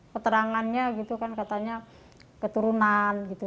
keterangannya katanya keturunan